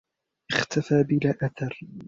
اختفى بلا أثر.